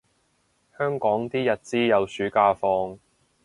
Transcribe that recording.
香港啲日資有暑假放